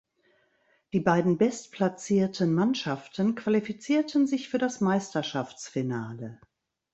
Die beiden bestplatzierten Mannschaften qualifizierten sich für das Meisterschaftsfinale.